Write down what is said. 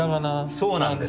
そうなんです。